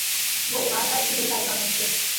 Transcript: وہ بیمار تھا، اسی لئیے سارے خاموش تھے